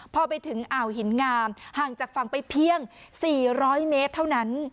พอไปถึงอ่าวหินงามห่างจากฝั่งไปเพียง๔๐๐เมตรเท่านั้น